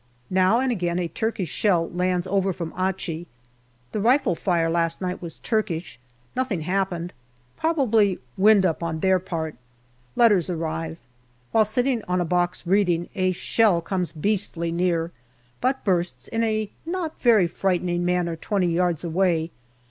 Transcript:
Now and again a Turkish shell lands over from Achi. The rifle fire last night was Turkish ; nothing happened. Probably " wind up " on their part. Letters arrive. While sitting on a box reading, a shell comes beastly near, but bursts in a not very frightening manner twenty yards away.